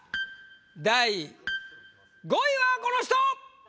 第５位はこの人！